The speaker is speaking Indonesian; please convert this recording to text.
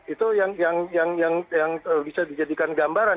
itu yang bisa dijadikan gambaran